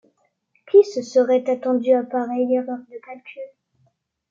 Qui se serait attendu à pareille erreur de calcul ?